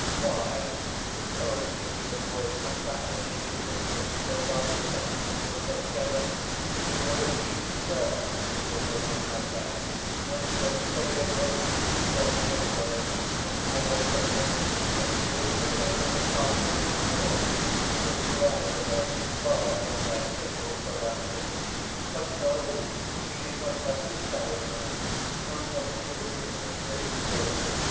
Why, if only to avoid abandoning his mistress to the rival of whom he was so jealous, he would have been certain to have opened that bag and to have stayed at home to keep watch over her, and to await the moment when she would say to him at last 'I am yours,' and to fly with her far from their fatal surroundings. "But no, he did not touch his talisman, and what is the reason he gives for it?